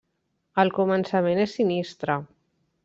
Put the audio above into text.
El començament és sinistre.